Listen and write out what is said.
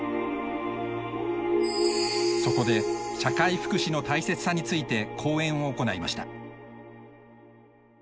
そこで社会福祉の大切さについて講演を行いました。